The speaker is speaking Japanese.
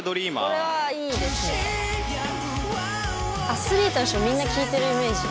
アスリートの人みんな聴いてるイメージ。